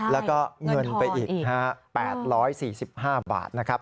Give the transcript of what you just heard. แล้วก็เงินไปอีก๘๔๕บาทนะครับ